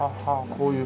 こういう。